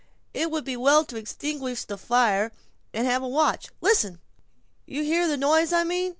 It would be well to extinguish the fire, and have a watch—listen! you hear the noise I mean!"